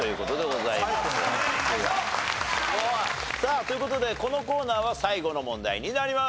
すごい！さあという事でこのコーナーは最後の問題になります。